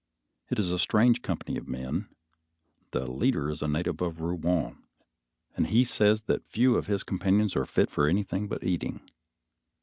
It is a strange company of men. The leader is a native of Rouen, and he says that few of his companions are fit for anything but eating.